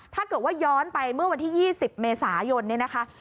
ถ้าเกิดว่าย้อนไปเมื่อวันที่๒๐เมษายนเนี่ยนะคะ